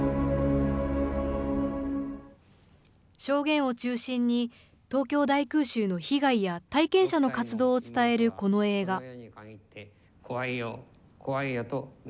証言を中心に、東京大空襲の被害や体験者の活動を伝えるこの映画。